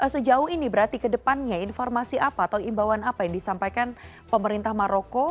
sejauh ini berarti kedepannya informasi apa atau imbauan apa yang disampaikan pemerintah maroko